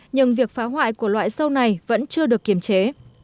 nhưng việc phá hoại của loại sâu này vẫn chưa được kiềm chế